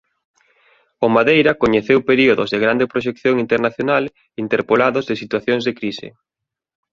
O Madeira coñeceu períodos de grande proxección internacional interpolados de situacións de crise.